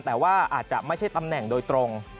แต่ว่าอาจจะไม่ใช่ตำแหน่งโดยตรง